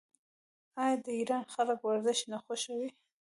آیا د ایران خلک ورزش نه خوښوي؟